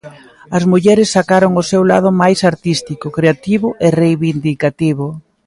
As mulleres sacaron o seu lado máis artístico, creativo e reivindicativo.